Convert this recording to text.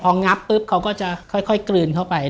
เพราะสร้างพวกเค้าก็จะค่อยกลืนเข้าไป